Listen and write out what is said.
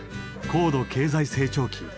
高度経済成長期